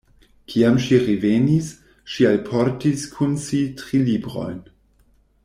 Kiam ŝi revenis, ŝi alportis kun si tri librojn.